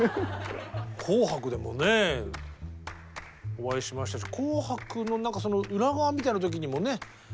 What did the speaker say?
「紅白」でもねお会いしましたし「紅白」の何かその裏側みたいな時にもね